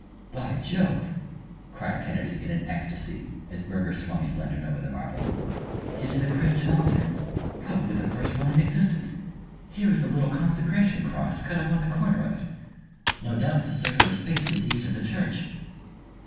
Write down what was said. "By Jove!" cried Kennedy in an ecstasy, as Burger swung his lantern over the marble. "It is a Christian altar probably the first one in existence. Here is the little consecration cross cut upon the corner of it. No doubt this circular space was used as a church."